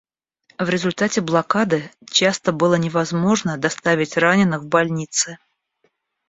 В результате блокады часто было невозможно доставить раненых в больницы.